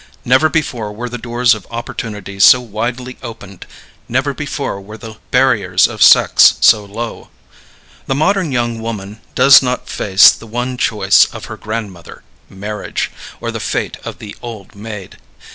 Never before were the doors of opportunity so widely opened; never before were the barriers of sex so low. The modern young woman does not face the one choice of her grandmother marriage or the fate of the "old maid."